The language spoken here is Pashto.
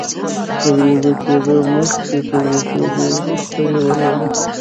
تر ويده کېدو مخکې او تر ويښېدو وروسته يې ولولئ.